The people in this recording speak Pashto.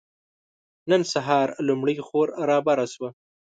نن سهار لومړۍ خور رابره شوه.